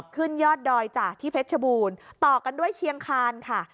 ขึ้นยอดดอยจากที่เพชรชบูรณ์ต่อกันด้วยเชียงคานค่ะ